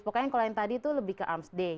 pokoknya yang klnc tadi itu lebih ke arms day